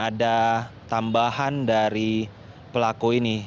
ada tambahan dari pelaku ini